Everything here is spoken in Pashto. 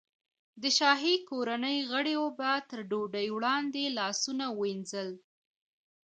د شاهي کورنۍ غړیو به تر ډوډۍ وړاندې لاسونه وینځل.